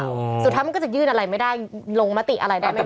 สุดท้ายมันก็จะยื่นอะไรไม่ได้ลงมติอะไรได้ไหมค